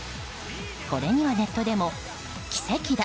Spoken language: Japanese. これにはネットでも奇跡だ。